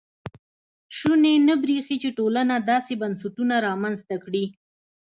شونې نه برېښي چې ټولنه داسې بنسټونه رامنځته کړي.